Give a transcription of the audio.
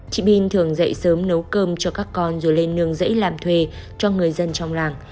chị bin thường dậy sớm nấu cơm cho các con rồi lên nương dãy làm thuê cho người dân trong làng